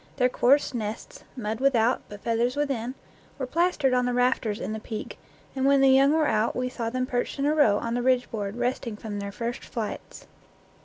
Their coarse nests mud without, but feath ers within were plastered on the rafters in the peak, and when the young were out we saw them perched in a row on the ridge board, resting from their first flights.